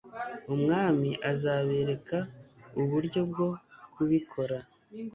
Umwami azabereka uburyo bwo kubikora